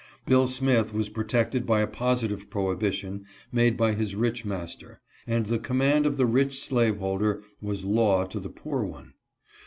Bill Smith was protected by a positive pro hibition, made by his rich master (and the command of the rich slaveholder was law to the poor one).